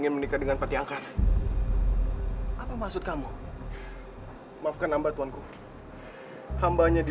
kamu ketahui kombagai